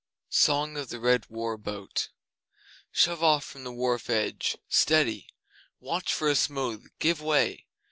Song of the Red War Boat Shove off from the wharf edge! Steady! Watch for a smooth! Give way!